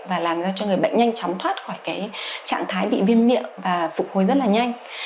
và làm ra cho người bệnh nhanh chóng thoát khỏi cái trạng thái bị viêm miệng và phục hồi rất là nhanh